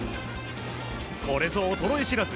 これぞ衰え知らず！